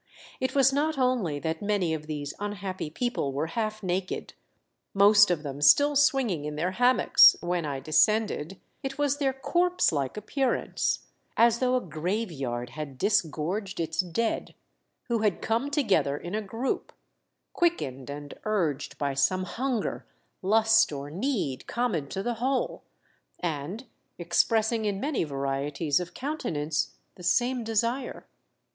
It was not only that many of these unhappy people were half naked — most of them still swinging in their hammocks, when I descended — it was their corpse like appearance, as though a grave yard had disgorged its dead, who had come together in a group, quickened and urged by some hunger, lust or need common to the whole, and expressing in many varieties of countenance the same desire.